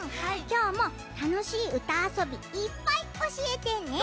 きょうもたのしいうたあそびいっぱいおしえてね。